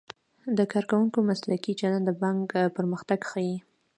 د کارکوونکو مسلکي چلند د بانک پرمختګ ښيي.